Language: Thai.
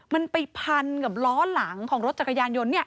มันไปพันกับล้อหลังของรถจักรยานยนต์